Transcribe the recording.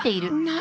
何？